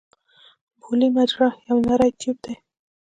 بولي مجرا یو نری ټیوب دی.